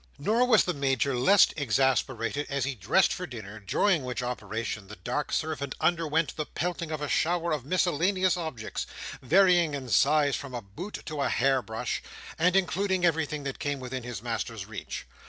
Nor was the Major less exasperated as he dressed for dinner, during which operation the dark servant underwent the pelting of a shower of miscellaneous objects, varying in size from a boot to a hairbrush, and including everything that came within his master's reach.